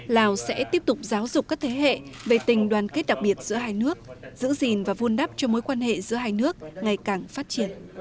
lào sẽ tiếp tục giáo dục các thế hệ về tình đoàn kết đặc biệt giữa hai nước giữ gìn và vun đắp cho mối quan hệ giữa hai nước ngày càng phát triển